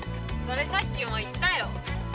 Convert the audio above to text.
それさっきも言ったよ。